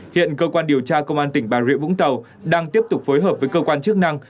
hiện cơ quan điều tra công an tỉnh bà rịa vũng tàu đang tiếp tục phối hợp với cơ quan chức năng